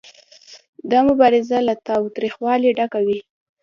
دا مبارزه له تاوتریخوالي ډکه وي